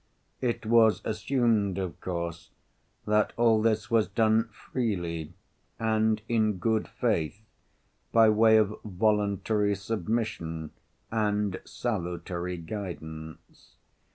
It was assumed, of course, that all this was done freely, and in good faith, by way of voluntary submission and salutary guidance.